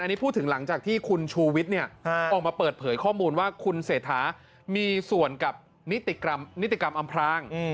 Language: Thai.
อันนี้พูดถึงหลังจากที่คุณชูวิทย์ออกมาเปิดเผยข้อมูลว่าคุณเศรษฐามีส่วนกับนิติกรรมอำพราง